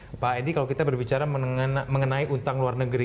bapak endi kalau kita berbicara mengenai utang luar negeri